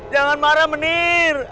jangan marah menir